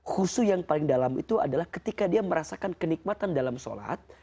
khusu yang paling dalam itu adalah ketika dia merasakan kenikmatan dalam sholat